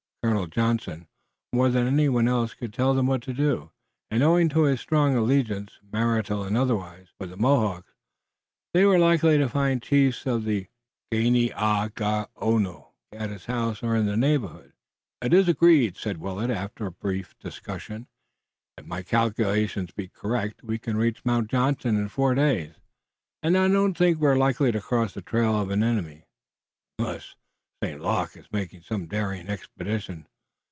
Colonel Johnson, more than any one else could tell them what to do, and owing to his strong alliance, marital and otherwise, with the Mohawks, they were likely to find chiefs of the Ganeagaono at his house or in the neighborhood. "It is agreed," said Willet, after a brief discussion. "If my calculations be correct we can reach Mount Johnson in four days, and I don't think we're likely to cross the trail of an enemy, unless St. Luc is making some daring expedition."